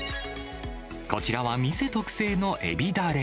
こちらは店特製のエビだれ。